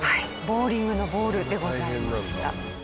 ボウリングのボールでございました。